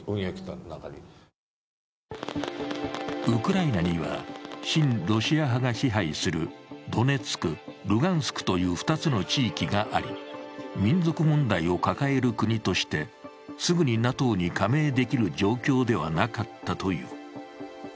ウクライナには、親ロシア派が支配するドネツク、ルガンスクという２つの地域があり、民族問題を抱える国としてすぐにＮＡＴＯに加盟できる状況ではなかったという。